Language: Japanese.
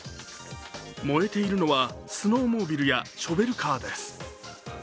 燃えているのはスノーモービルやショベルカーです。